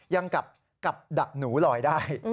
ยังกลับดักหนูลอยได้